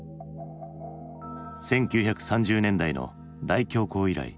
１９３０年代の大恐慌以来